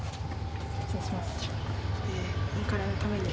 失礼します。